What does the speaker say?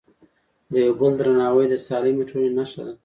د یو بل درناوی د سالمې ټولنې نښه ده.